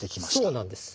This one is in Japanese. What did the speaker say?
そうなんです。